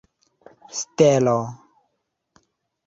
stelo